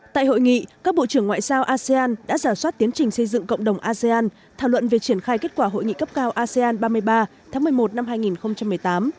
tại hội nghị các bộ trưởng ngoại giao asean đã giả soát tiến trình xây dựng cộng đồng asean thảo luận về triển khai kết quả hội nghị cấp cao asean ba mươi ba tháng một mươi một năm hai nghìn một mươi tám